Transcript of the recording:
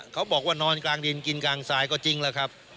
เขาบอกว่านอนกลางดินกินกลางทรายก็จริงแล้วครับ